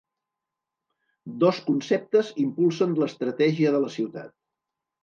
Dos conceptes impulsen l'estratègia de la ciutat.